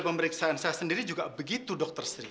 pemeriksaan saya sendiri juga begitu dokter sri